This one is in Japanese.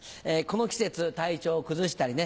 この季節体調を崩したりね